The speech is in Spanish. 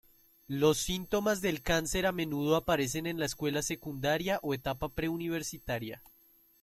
Los síntomas del cáncer a menudo aparecen en la escuela secundaria o etapa preuniversitaria.